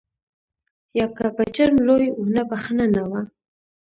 یا که به جرم لوی و نو بخښنه نه وه.